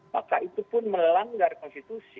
maka itu pun melanggar konstitusi